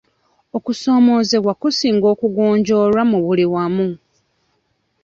Okusoomoozebwa kusinga kugonjoolwa mu muli wamu.